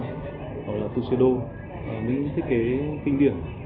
gọi là tù xê đô những thiết kế kinh điển